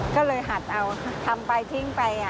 ก็เลยหัดเอาทำไปทิ้งไป